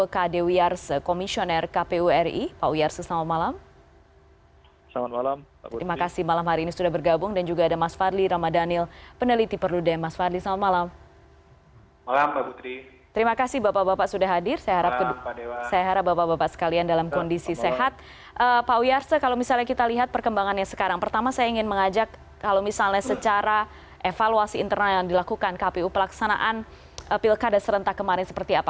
kalau misalnya secara evaluasi internal yang dilakukan kpu pelaksanaan pilkada serentak kemarin seperti apa